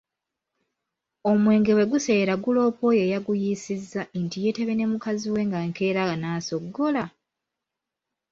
Omwenge bwe guseerera guloopa oyo eyaguyiisizza nti yeetabye ne mukazi we nga enkeera anaasogola?